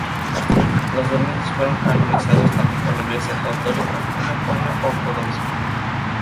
Los durmientes fueron canonizados tanto por la Iglesia católica como por la Ortodoxa.